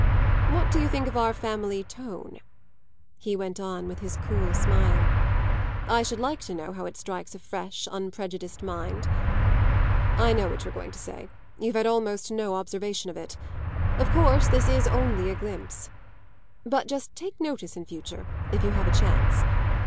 What do you think of our family tone?" he went on with his cool smile. "I should like to know how it strikes a fresh, unprejudiced mind. I know what you're going to say you've had almost no observation of it. Of course this is only a glimpse. But just take notice, in future, if you have a chance.